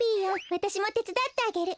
わたしもてつだってあげる。